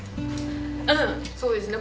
うんそうですね。